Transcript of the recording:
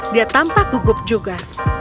dia tampak gugup juga